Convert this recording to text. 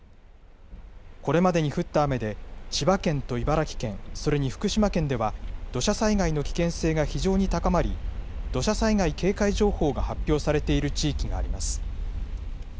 これまでに降った雨で千葉県と茨城県、それに福島県では、土砂災害の危険性が非常に高まり、土砂災害警戒情報が発表されている地域があります。